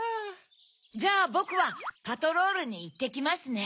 じゃあボクはパトロールにいってきますね。